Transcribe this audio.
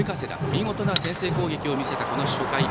見事な先制攻撃を見せた初回。